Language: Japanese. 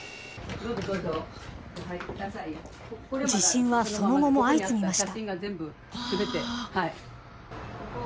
地震はその後も相次ぎました。